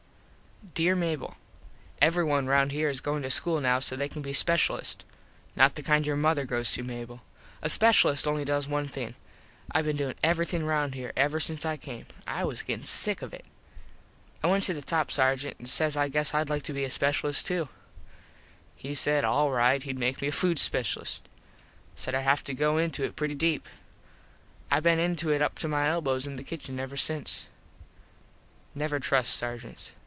_ Dere Mable: Everyone round here is goin to school now so they can be speshulists. Not the kind your mother goes to, Mable. A speshulist only does one thing. I been doin everything round here ever since I came. I was gettin sick of it. I went to the top sargent an says I guessed Id be a speshulist to. He said all right hed make me a food speshulist. Said Id have to go into it pretty deep. I been into it up to my elbows in the kitchen ever since. Never trust sargents.